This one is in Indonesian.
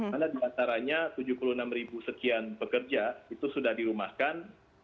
karena diantaranya tujuh puluh enam sekian pekerja itu sudah dirumahkan